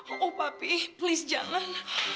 oh papi please jangan